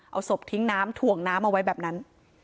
เอาศพทิ้งน้ำถ่วงน้ำเอาไว้แบบนั้น